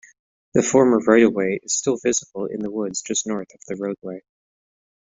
The former right-of-way is still visible in the woods just north of the roadway.